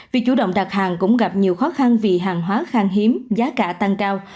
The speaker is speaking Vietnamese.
việc chủ động đặt hàng cũng gặp nhiều khó khăn vì hàng hóa khang hiếm giá cả tăng cao